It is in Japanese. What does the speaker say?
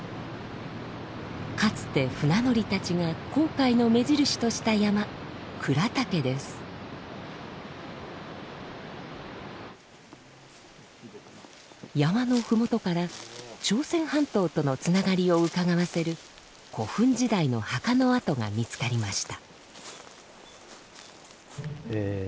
かつて船乗りたちが航海の目印とした山山の麓から朝鮮半島とのつながりをうかがわせる古墳時代の墓の跡が見つかりました。